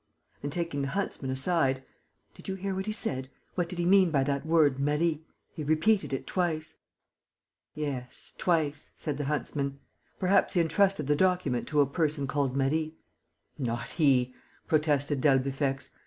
And, taking the huntsman aside, "Did you hear what he said? What did he mean by that word, 'Marie'? He repeated it twice." "Yes, twice," said the huntsman. "Perhaps he entrusted the document to a person called Marie." "Not he!" protested d'Albufex.